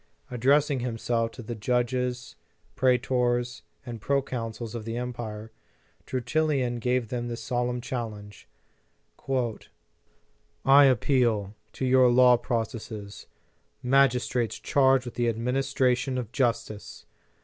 Addressing himself to the judges, praetors, and proconsuls of the Empire, Tertullian gave them this solemn challenge :" I appeal to your law processes, magistrates charged with the administration of justice.